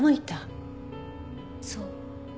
そう。